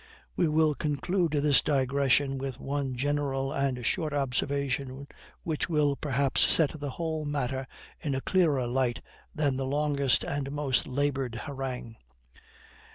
We will conclude this digression with one general and short observation, which will, perhaps, set the whole matter in a clearer light than the longest and most labored harangue.